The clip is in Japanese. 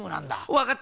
わかった！